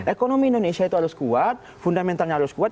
ekonomi indonesia itu harus kuat fundamentalnya harus kuat